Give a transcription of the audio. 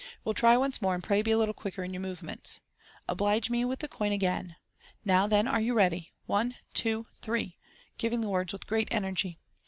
We'll try once more, and pray be a little quicker in your movements. Oblige me with the coin again. Now, then, are you ready ?— One ! twof! threb!!!" giving the words with great energy.